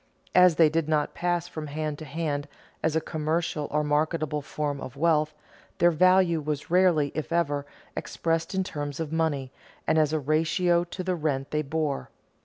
As they did not pass from hand to hand as a commercial or marketable form of wealth, their value was rarely, if ever, expressed in terms of money and as a ratio to the rent they bore.